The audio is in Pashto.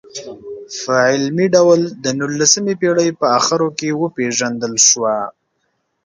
په علمي ډول د نولسمې پېړۍ په اخرو کې وپېژندل شوه.